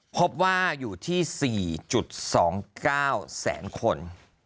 พบว่าอยู่ที่๔๒๙แสนคน